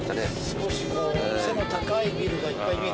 少し背の高いビルがいっぱい見えてきたね。